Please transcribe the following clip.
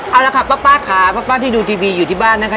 เอาละค่ะป้าค่ะป้าที่ดูทีวีอยู่ที่บ้านนะคะ